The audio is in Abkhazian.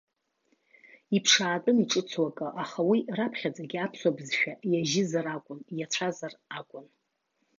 Иԥшаатәын иҿыцу акы, аха уи раԥхьаӡагьы аԥсуа бызшәа иажьызар акәын, иацәазар акәын.